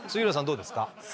どうですか？